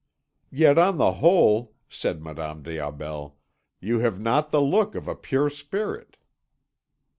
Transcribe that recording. "Yet on the whole," said Madame des Aubels, "you have not the look of a pure Spirit."